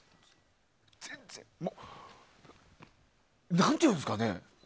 何ていうんですかね。